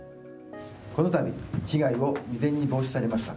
このたび被害を未然に防止されました。